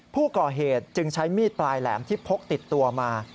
ผู้ก่อเหตุจึงใช้มีดปลายแหลมที่พกติดตัวมา